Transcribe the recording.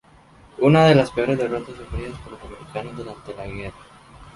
Fue una de las peores derrotas sufridas por los americanos durante la guerra.